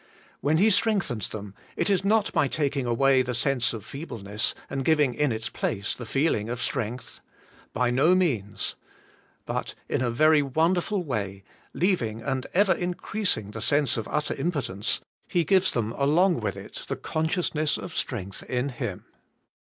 When He strengthens them, it is not by taking away the sense of feebleness, and giving in its place the feeling of strength. By no means. But in a very wonderful way leaving and even increasing the sense of utter impotence. He gives them along with it the con sciousness of strength in Him.